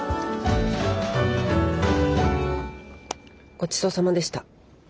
ごちそうさまでした。